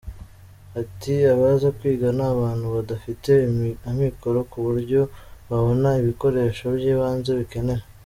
Ati “Abaza kwiga ni abantu badafite amikoro ku buryo babona ibikoresho by’ibanze bikenewe.